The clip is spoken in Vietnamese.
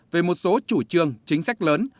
về một số chủ trương chính sách lớn